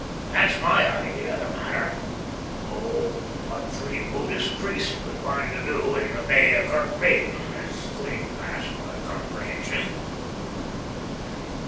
That's my idea o' the matter, though what three Buddhist priests could find to do in the Bay of Kirkmaiden is clean past my comprehension."